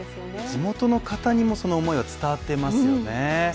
地元の方にもその思いは伝わっていますよね。